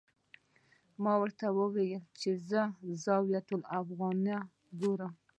ما ورته وویل چې زه الزاویة الافغانیه ګورم.